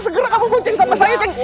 segera kamu ikut cek sama saya cek